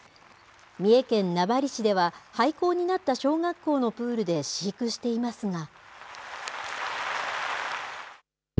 三重県名張市では、廃校になった小学校のプールで飼育していますが。